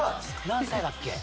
何歳だっけ？